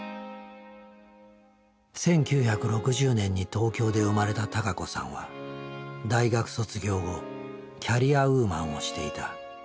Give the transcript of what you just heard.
１９６０年に東京で生まれた孝子さんは大学卒業後キャリアウーマンをしていた。